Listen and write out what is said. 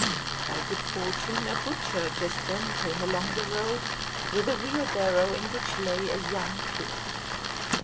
By good fortune a butcher just then came along the road with a wheel barrow, in which lay a young pig.